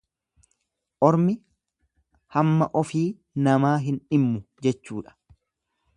Ormi hamma ofii namaa hin dhimmu jechuudha.